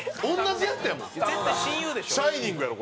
『シャイニング』やろ。